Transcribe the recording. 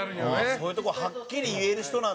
そういうとこをはっきり言える人なんだ。